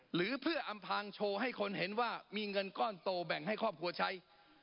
หรือเพื่ออำพางโชว์ให้คนเห็นว่ามีเงินก้อนโตแบ่งให้ครอบครัวใช้